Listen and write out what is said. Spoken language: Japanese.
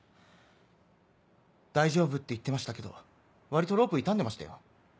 大丈夫って言ってましたけど割とロープ傷んでましたよ。